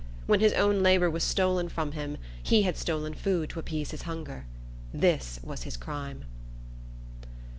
When his own labor was stolen from him, he had stolen food to appease his hunger. This was his crime.